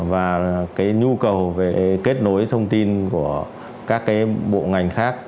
và cái nhu cầu về kết nối thông tin của các cái bộ ngành khác